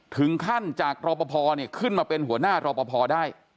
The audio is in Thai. ถึงขั้นจากรอปภขึ้นมาเป็นหัวหน้ารอปภได้